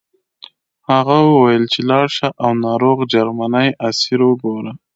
هغه وویل چې لاړ شه او ناروغ جرمنی اسیر وګوره